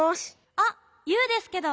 あっユウですけど。